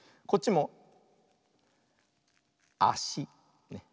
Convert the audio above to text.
こっちもあし。